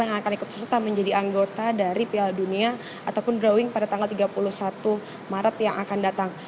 yang akan ikut serta menjadi anggota dari piala dunia ataupun drawing pada tanggal tiga puluh satu maret yang akan datang